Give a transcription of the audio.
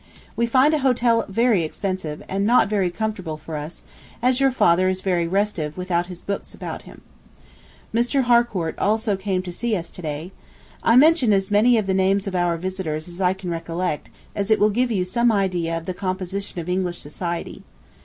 We find a hotel very expensive, and not very comfortable for us, as your father is very restive without his books about him. Mr. Harcourt also came to see us to day. I mention as many of the names of our visitors as I can recollect, as it will give you some idea of the composition of English society